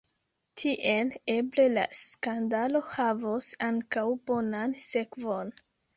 Tiel eble la skandalo havos ankaŭ bonan sekvon.